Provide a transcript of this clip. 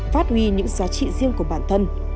phát huy những giá trị riêng của bản thân